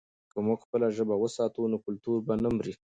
که موږ خپله ژبه وساتو، نو کلتور به نه مري.